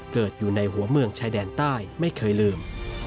เกิดอยู่ในหัวเมืองชายแดนใต้ไม่เคยลืม